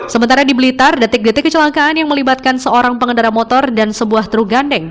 sementara di blitar detik detik kecelakaan yang melibatkan seorang pengendara motor dan sebuah truk gandeng